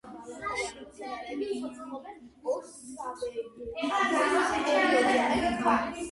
აქ შედიოდა მდინარე ივრის ზეგანი და ცნობილი შირაქის ველი.